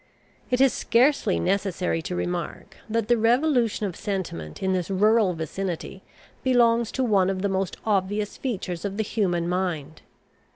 It is scarcely necessary to remark, that the revolution of sentiment in this rural vicinity belongs to one of the most obvious features of the human mind.